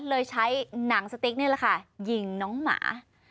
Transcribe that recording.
เลยใช้หนังสติ๊กนี่แหละค่ะยิงน้องหมา